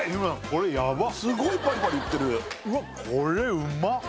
これやばっすごいパリパリいってるうわこれうまっ！